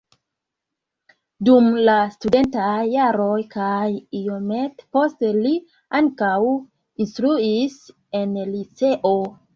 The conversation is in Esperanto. Dum la studentaj jaroj kaj iomete poste li ankaŭ instruis en liceo.